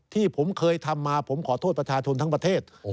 ที่ผมเคยทำมาผมขอโทษประชาชนทั้งประเทศ